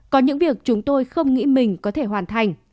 có những việc chúng tôi không nghĩ mình có thể hoàn thành